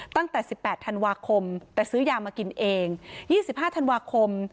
ตั้งแต่สิบแปดธันวาคมแต่ซื้อยามากินเองยี่สิบห้าธันวาคม